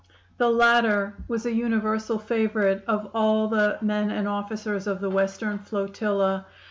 "The latter was a universal favorite of all the men and officers of the Western flotilla.